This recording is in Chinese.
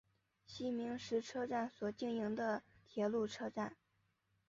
西明石车站所经营的铁路车站。